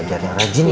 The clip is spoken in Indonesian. jangan rajin ya